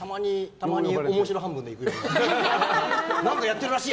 たまに面白半分で行くくらい。